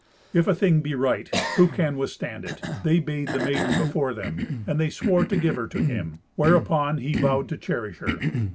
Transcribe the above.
If a thing be right, who can withstand it? They bade the maiden before them, and they swore to give her to him, whereupon he vowed to cherish her.